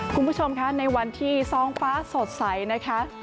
คุณผู้ชมคะในวันที่ท้องฟ้าสดใสนะคะ